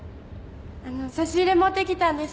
あの差し入れ持ってきたんです。